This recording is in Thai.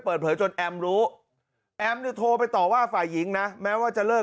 เปิดเผยจนแอมรู้แอมโทรไปต่อว่าฝ่ายหญิงนะแม้ว่าจะเลิก